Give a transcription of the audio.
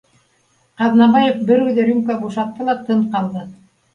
Ҡаҙнабаев бер үҙе рюмка бушатты ла тын ҡалды